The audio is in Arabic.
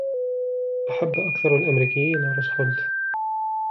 أحب أكثر الأمريكيين روزفلت.